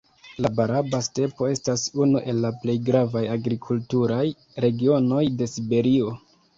La Baraba-stepo estas unu el la plej gravaj agrikulturaj regionoj de Siberio.